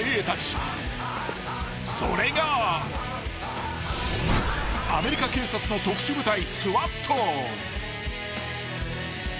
［それがアメリカ警察の特殊部隊］